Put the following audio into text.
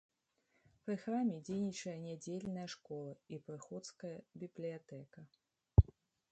Пры храме дзейнічае нядзельная школа і прыходская бібліятэка.